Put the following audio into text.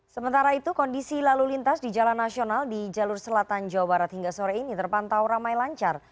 sementara itu kondisi lalu lintas di jalan nasional di jalur selatan jawa barat hingga sore ini terpantau ramai lancar